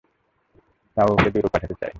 তাও ওকে দূরে পাঠাতে চাই।